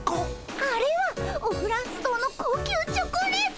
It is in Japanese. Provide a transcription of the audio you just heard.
あれはオフランス堂の高級チョコレート！